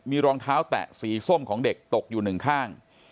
มีรองเท้าแตะสีส้มของเด็กตกอยู่หนึ่งข้าง